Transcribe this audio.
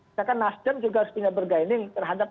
misalkan nasdem juga harus punya berguining terhadap